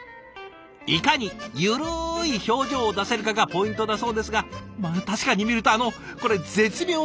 いかに「ゆるい表情」を出せるかがポイントだそうですがまあ確かに見るとあのこれ絶妙なゆるさ加減！